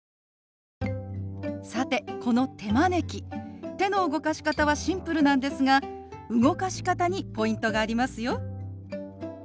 さてこの手招き手の動かし方はシンプルなんですが動かし方にポイントがありますよ。